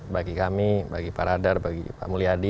bagi kami pak radar pak mulyadi